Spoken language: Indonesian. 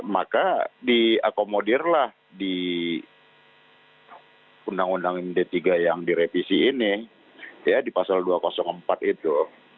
maka diakomodirlah di undang undang d tiga yang direvisi ini ya di pasal dua ratus empat itu